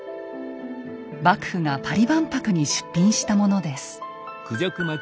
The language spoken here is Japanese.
幕府がパリ万博に出品したものです。